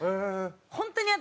本当に私